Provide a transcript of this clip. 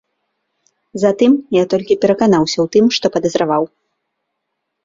Затым я толькі пераканаўся ў тым, што падазраваў.